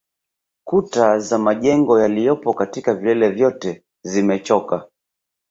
Kuta za majengo yaliyopo katika vilele vyote zimechoka